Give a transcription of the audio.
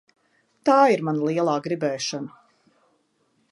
Tā ir mana lielā gribēšana.